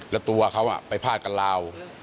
แล้วตัวเขาไปพาดกันลาว